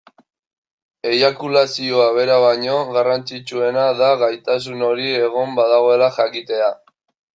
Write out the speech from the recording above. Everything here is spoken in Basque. Eiakulazioa bera baino, garrantzitsuena da gaitasun hori egon badagoela jakitea.